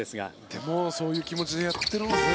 でもそういう気持ちでやってきているんですね